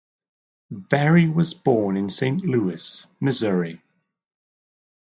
Berry was born in Saint Louis, Missouri.